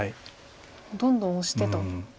どんどんオシてと。